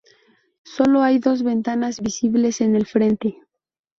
Sólo hay dos ventanas visibles en el frente.